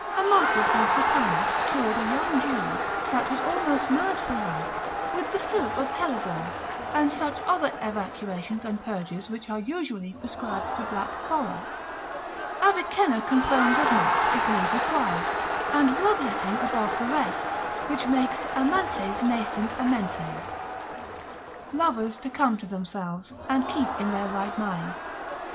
Amatus Lusitanus cured a young Jew, that was almost mad for love, with the syrup of hellebore, and such other evacuations and purges which are usually prescribed to black choler: Avicenna confirms as much if need require, and bloodletting above the rest, which makes amantes ne sint amentes, lovers to come to themselves, and keep in their right minds.